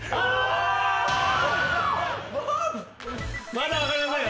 まだ分かりませんよ。